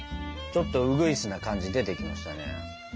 ちょっとうぐいすな感じ出てきましたね。